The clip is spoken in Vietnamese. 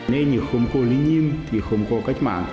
nên như không có lenin thì không có cách mạng